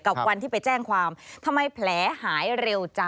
วันที่ไปแจ้งความทำไมแผลหายเร็วจ้ะ